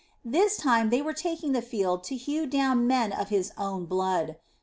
This time they were taking the field to hew down men of his own blood.